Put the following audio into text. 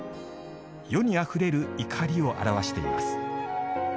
世にあふれる怒りを表わしています。